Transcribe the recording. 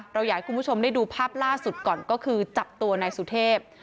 อยากให้คุณผู้ชมได้ดูภาพล่าสุดก่อนก็คือจับตัวนายสุเทพ